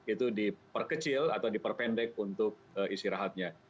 itu diperkecil atau diperpendek untuk istirahatnya